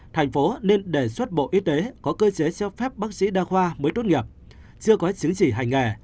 thành phố nên đề xuất bộ y tế có cơ chế cho phép bác sĩ đa khoa mới tốt nghiệp chưa có chứng chỉ hành nghề